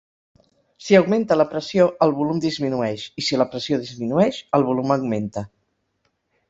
Si augmenta la pressió, el volum disminueix, i si la pressió disminueix, el volum augmenta.